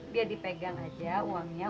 biar dipegang aja uangnya